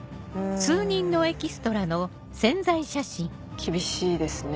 厳しいですね。